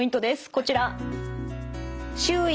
こちら。